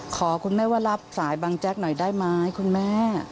ขอคุณแม่ว่ารับสายบางแจ๊กหน่อยได้ไหมคุณแม่